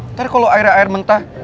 ntar kalau airnya air mentah